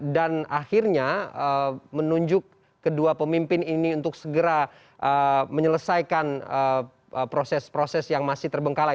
dan akhirnya menunjuk kedua pemimpin ini untuk segera menyelesaikan proses proses yang masih terbengkalai